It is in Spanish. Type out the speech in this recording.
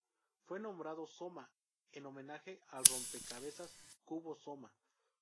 Fue nombrado Soma en homenaje al rompecabezas Cubo Soma.